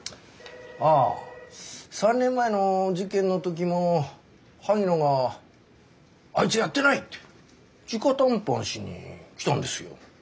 ああ３年前の事件の時も萩野が「あいつやってない！」って直談判しに来たんですよ。